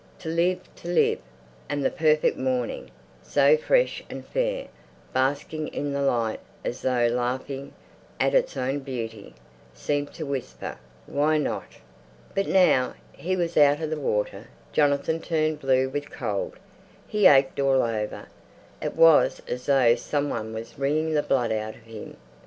To live—to live! And the perfect morning, so fresh and fair, basking in the light, as though laughing at its own beauty, seemed to whisper, "Why not?" But now he was out of the water Jonathan turned blue with cold. He ached all over; it was as though some one was wringing the blood out of him.